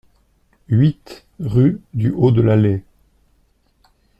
huit rue du Haut de l'Allée